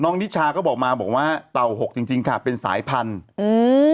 น้องนิชาก็บอกมาบอกว่าเต่า๖จริงค่ะเป็นสายพันธุ์